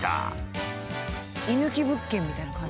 居抜き物件みたいな感じ。